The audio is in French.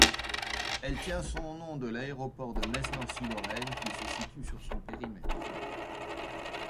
Elle tient son nom de l’Aéroport de Metz-Nancy-Lorraine qui se situe sur son périmètre.